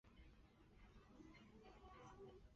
朱谦不得不力战抵御。